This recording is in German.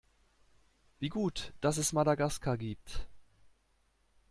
Wie gut, dass es Madagaskar gibt!